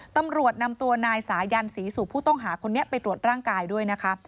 ตำรวจนำตัวนายสายันศรีสู่ผู้ต้องหาคนนี้ไปตรวจร่างกายด้วยนะคะ